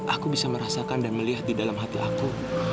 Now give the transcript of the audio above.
aku bisa merasakan dan melihat di dalam hati aku